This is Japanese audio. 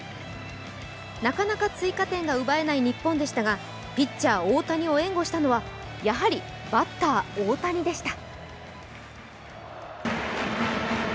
なかなか追加点が奪えない日本でしたが、ピッチャー・大谷を援護したのはやはりバッター・大谷でした。